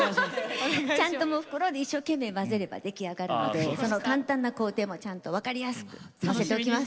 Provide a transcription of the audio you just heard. ちゃんと袋で一生懸命混ぜれば出来上がるのでその簡単な工程もちゃんと分かりやすく載せておきます。